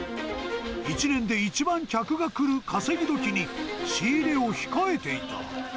１年で一番客が来る稼ぎ時に、仕入れを控えていた。